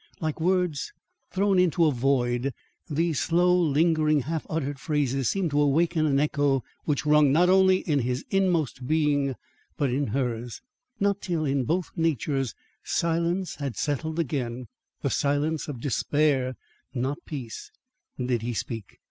Like words thrown into a void, these slow, lingering, half uttered phrases seemed to awaken an echo which rung not only in his inmost being, but in hers. Not till in both natures silence had settled again (the silence of despair, not peace), did he speak.